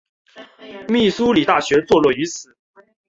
密苏里大学坐落于此。